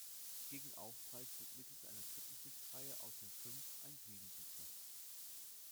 Gegen Aufpreis wird mittels einer dritten Sitzreihe aus dem Fünf- ein Siebensitzer.